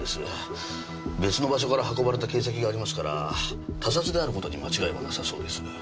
別の場所から運ばれた形跡がありますから他殺であることに間違いはなさそうです。